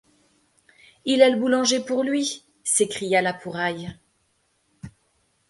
Il a le boulanger pour lui! s’écria La Pouraille.